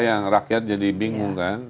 yang rakyat jadi bingung kan